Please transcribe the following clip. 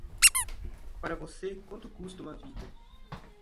para você quanto custa uma vida